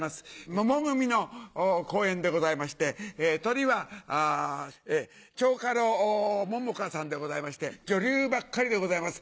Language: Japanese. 桃組の公演でございましてトリは蝶花楼桃花さんでございまして女流ばっかりでございます。